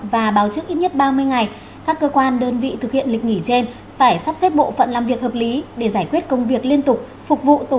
và báo trước ít nhất ba mươi ngày các cơ quan đơn vị thực hiện lịch nghỉ trên phải sắp xếp bộ phận làm việc hợp lý để giải quyết công việc liên tục phục vụ tổ chức